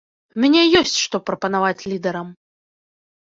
У мяне ёсць што прапанаваць лідарам.